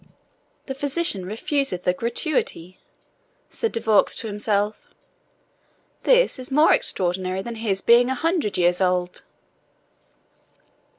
"The Physician refuseth a gratuity!" said De Vaux to himself. "This is more extraordinary than his being a hundred years old."